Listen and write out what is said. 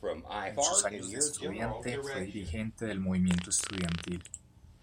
En sus años de estudiante fue dirigente del movimiento estudiantil.